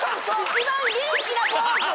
一番元気なポーズ！